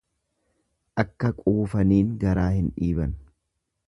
Akka quufaniin garaa hin dhiiban.